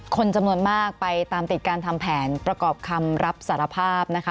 คนจำนวนมากไปตามติดการทำแผนประกอบคำรับสารภาพนะคะ